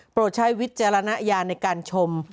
ปลอดใช่วิจารณญาในการชม